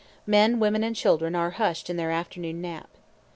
Men, women, and children are hushed in their afternoon nap.